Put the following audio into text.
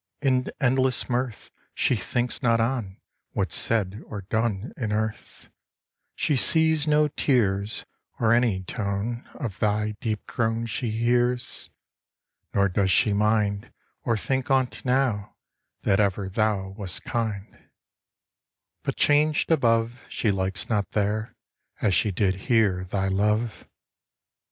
In endless mirth, She thinks not on What's said or done In earth: She sees no tears, Or any tone Of thy deep groan She hears; Nor does she mind, Or think on't now, That ever thou Wast kind: But changed above, She likes not there, As she did here, Thy love.